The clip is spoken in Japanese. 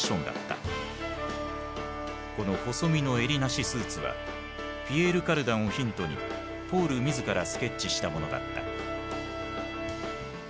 この細身の襟なしスーツはピエール・カルダンをヒントにポール自らスケッチしたものだった。